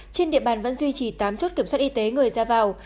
trên địa bàn vẫn duy trì tám chốt kiểm soát y tế người ra vào